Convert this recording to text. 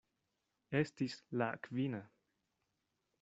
Estis la kvina.